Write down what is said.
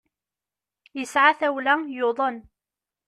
Yesɛa tawla, yuḍen.